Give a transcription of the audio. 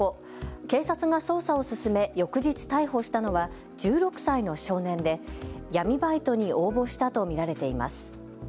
警察が捜査を進め翌日、逮捕したのは１６歳の少年で、闇バイトに応募したと見られています。